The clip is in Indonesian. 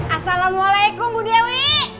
assalamualaikum bu dewi